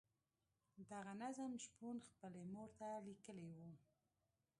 دغه نظم شپون خپلې مور ته لیکلی وو.